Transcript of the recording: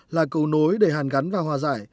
là cầu nối để hàn gắn và hòa giải